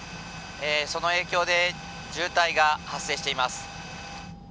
その影響で渋滞が発生しています。